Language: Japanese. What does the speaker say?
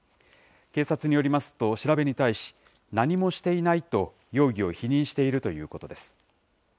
警察によりますと、調べに対し、何もしていないと容疑を否認しているということです。